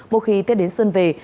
một khi tiết đến xuân về